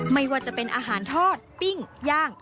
ไม่ว่าจะเป็นอาหารทอดปิ้งย่าง